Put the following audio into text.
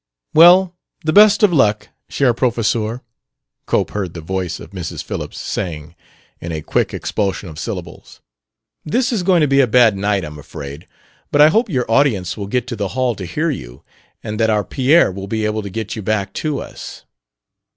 "Well, the best of luck, cher Professeur," Cope heard the voice of Mrs. Phillips saying, in a quick expulsion of syllables. "This is going to be a bad night, I'm afraid; but I hope your audience will get to the hall to hear you, and that our Pierre will be able to get you back to us."